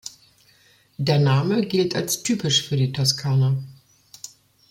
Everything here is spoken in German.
Der Name gilt als typisch für die Toskana.